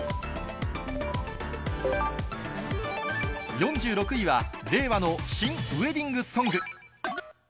４６位は、令和の新ウエディングソング。